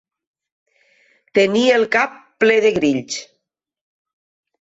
Tenir el cap ple de grills.